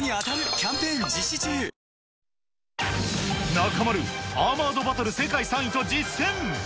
中丸、アーマードバトル世界３位と実戦。